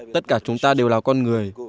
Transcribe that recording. tất cả chúng ta đều là con người